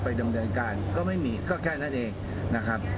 ดำเนินการก็ไม่มีก็แค่นั้นเองนะครับ